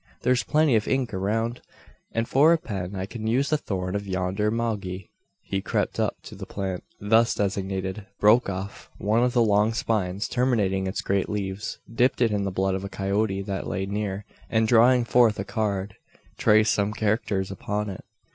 There's plenty of ink around; and for a pen I can use the thorn of yonder maguey." He crept up to the plant thus designated; broke off one of the long spines terminating its great leaves; dipped it in the blood of a coyote that lay near; and drawing forth a card, traced some characters upon it.